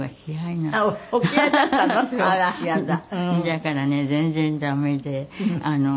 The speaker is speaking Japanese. だからね全然駄目で。